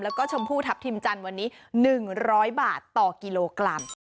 แล้วก็ชมพูทัพทิมจันทร์วันนี้๑๐๐บาทต่อกิโลกรัม